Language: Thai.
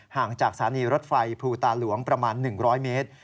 ห่างจากสถานีรถไฟภูตาหลวงประมาณ๑๐๐เมตร